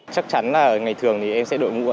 chắc chắn là ngày thường thì em sẽ đội mũ